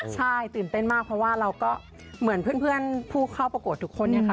ใช่ตื่นเต้นมากเพราะว่าเราก็เหมือนเพื่อนผู้เข้าประกวดทุกคนเนี่ยค่ะ